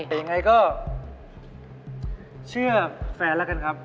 แต่ยังไงก็เชื่อแฟนแล้วกันครับ